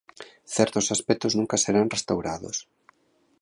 Certos aspectos nunca serán restaurados.